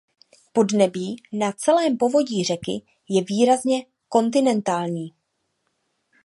Podnebí na celém povodí řeky je výrazně kontinentální.